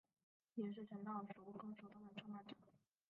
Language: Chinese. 也是诚道塾空手道的创办者。